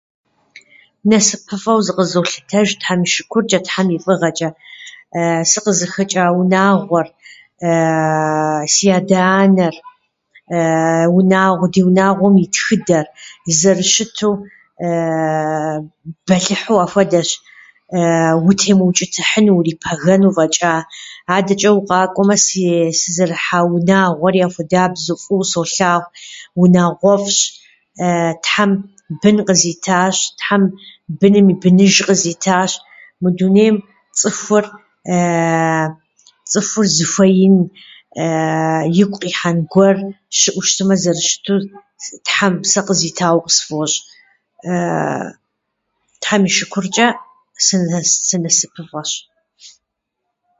Насыпыфӏэу зыкъызолъытэж Тхьэм и шыкурчӏэ, Тхьэм и фӏыгъэчӏэ. сыкъызыхэчӏа унагъуэр си адэ-анэр, унагъуэ- ди унагъуэм и тхыдэр зэрыщыту бэлыхьу ахуэдэщ, утемыучӏытыхьыну, урипагэну фӏэчӏа. Адэчӏэ укъакӏуэмэ сы- сызэрыхьа унагъуэри ахуэдабзэу фӏыуэ солъагъу, унагъуэфӏщ. Тхьэм бын къызитащ, Тхьэм быным и быныж къызитащ. Мы дунейм цӏыхур- цӏыхур зыхуеин игу къихьэн гуэр щыӏэу щытмэ, зэрыщыту Тхьэм сэ къызитауэ къысфӏощӏ. Тхьэм и шыкурчӏэ, сынэс- сынасыпыфӏэщ.